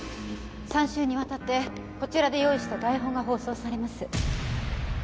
３週にわたってこちらで用意した台本が放送されます。